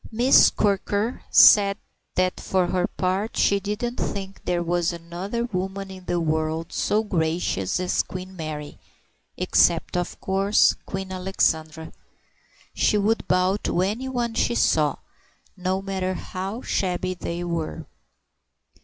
Miss Quirker said that for her part she didn't think there was another woman in the world so gracious as Queen Mary—except of course Queen Alexandra. She would bow to anyone she saw, no matter how shabby they were.